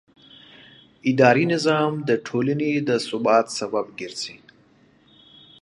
اداري نظام د ټولنې د ثبات سبب ګرځي.